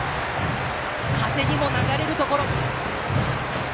風にも流れるところ。